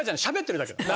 しゃべってるだけ。